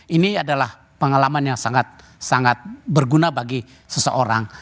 ini adalah pengalaman yang sangat berguna bagi seseorang